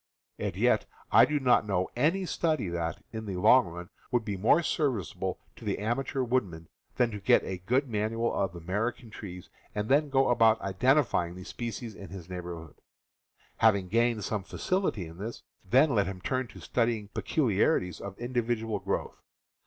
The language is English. And yet, I do not know any study that, in the long run, would be more service able to the amateur woodsman than to get a good manual of American trees and then go about identify ing the species in his neighborhood. Having gained some facility in this, then let him turn to studying peculiarities of individual growth.